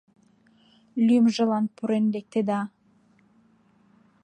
Лӱмжылан пурен лектеда.